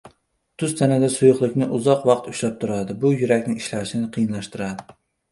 Tuz tanada suyuqlikni uzoq vaqt ushlab turadi, bu yurakning ishlashini qiyinlashtiradi